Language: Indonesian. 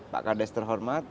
pak kardes terhormat